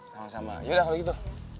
sama sama yaudah kalau gitu